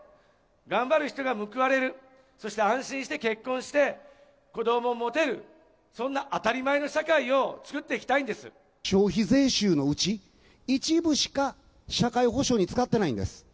頑張る人が報われる、そして安心して結婚して、子どもを持てる、そんな当たり前の社会を作ってい消費税収のうち、一部しか、社会保障に使ってないんです。